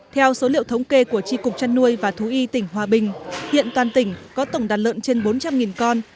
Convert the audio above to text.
theo số liệu thống kê của tri cục chăn nuôi và thú y tỉnh hòa bình hiện toàn tỉnh có tổng đàn lợn trên bốn trăm linh con